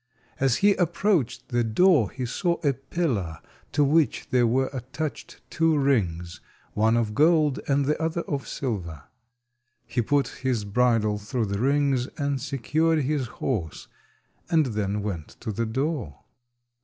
As he approached the door he saw a pillar to which there were attached two rings, one of gold and the other of silver. He put his bridle through the rings and secured his horse, and then went to the door.